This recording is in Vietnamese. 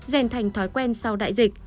dành thành thói quen sau đại dịch